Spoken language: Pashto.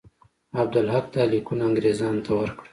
عبدالحق دا لیکونه انګرېزانو ته ورکړل.